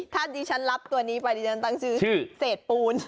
ถ้าดิฉันรับตัวนี้ไปได้จำนั้นต้องชื่อเสดปูน